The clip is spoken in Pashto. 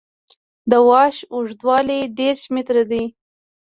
د واش اوږدوالی دېرش متره دی